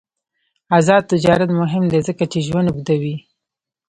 آزاد تجارت مهم دی ځکه چې ژوند اوږدوي.